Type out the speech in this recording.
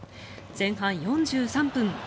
前半４３分。